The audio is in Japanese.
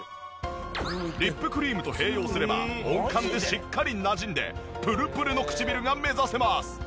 リップクリームと併用すれば温感でしっかりなじんでプルプルの唇が目指せます。